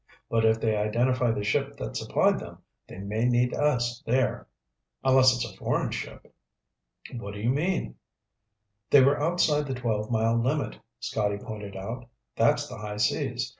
But if they identify the ship that supplied them, they may need us there." "Unless it's a foreign ship." "What do you mean?" "They were outside the twelve mile limit," Scotty pointed out. "That's the high seas.